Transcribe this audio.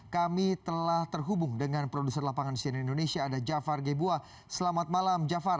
kami telah terhubung dengan produser lapangan cnn indonesia ada jafar gebuah selamat malam jafar